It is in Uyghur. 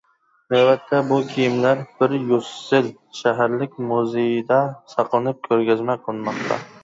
نۆۋەتتە بۇ كىيىملەر بىريۇسسېل شەھەرلىك مۇزېيدا ساقلىنىپ كۆرگەزمە قىلىنماقتا.